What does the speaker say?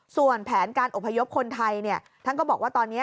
ส่วนแผนการอบพยพคนไทยท่านก็บอกว่าตอนนี้